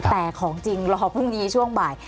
แต่ของจริงรอพรุ่งนี้ช่วงบ่าย